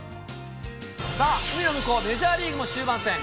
さあ、海の向こう、メジャーリーグも終盤戦。